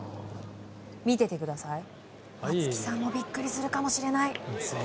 見ててください、松木さんもビックリするかもしれない。